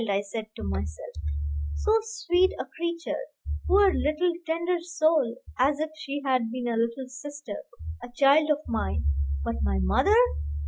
I said to myself; so sweet a creature: poor little tender soul! as if she had been a little sister, a child of mine, but my mother!